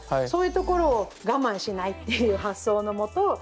そういうところを我慢しないっていう発想のもと